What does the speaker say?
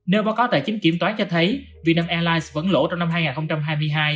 nơi báo cáo tài chính kiểm toán cho thấy việt nam airlines vẫn lỗ trong năm hai nghìn hai mươi hai